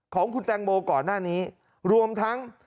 ของคุณแตงโมก่อนหน้านี้รวมทั้ง